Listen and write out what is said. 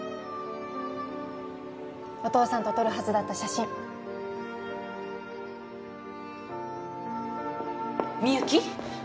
お父さんと撮るはずだった写真みゆき